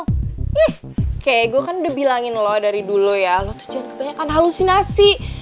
ih keh gue kan udah bilangin lo dari dulu ya lo tuh jadi kebanyakan halusinasi